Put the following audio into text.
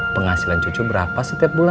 penghasilan cucu berapa setiap bulan